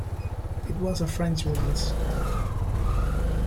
It was a Frenchwoman's.